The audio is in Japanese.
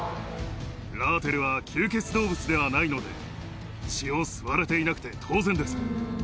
ラーテルは吸血動物ではないので、血を吸われていなくて当然です。